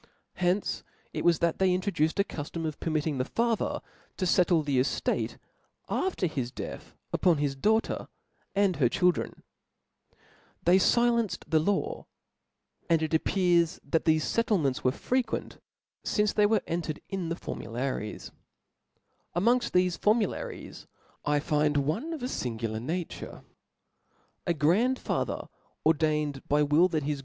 Hence it was that they introduced a cuilom of permitting the father to fettle the eftate after his death upon his daughter, and her chil dren. They filenced the law^ and it appears that thefe fettlemcnts were freque^it, fince they were en Marcui ^^^^^*^^^^ formularies (0 fua, 1. » Amongft thefe formularies I find one C) of a ^^. Ap. fingular nature. A grandfather ordained by will, that peiid.